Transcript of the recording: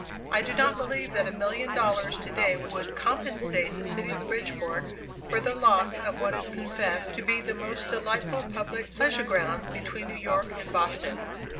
I do not believe that a million dollars to day would compensate the city of Bridgeport for the loss of what is confessed to be the most delightful public pleasure ground between New York and Boston.